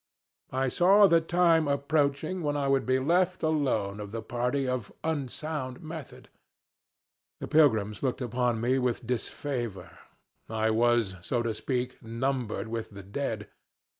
I saw the time approaching when I would be left alone of the party of 'unsound method.' The pilgrims looked upon me with disfavor. I was, so to speak, numbered with the dead.